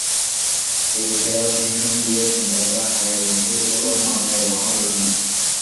Peripheral vision দিয়ে চিন্তা করে আঁকা এরকম শিল্পকর্ম আমি আগে কখন দেখিনি।